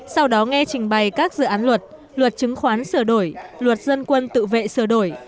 sau đó nghe trình bày các dự án luật luật chứng khoán sửa đổi luật dân quân tự vệ sửa đổi